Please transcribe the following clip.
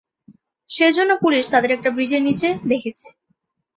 সেজনা police তাদের একটা ব্রীজের নিচে দেখছে।